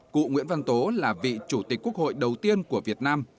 cụ nguyễn văn tố là vị chủ tịch quốc hội đầu tiên của việt nam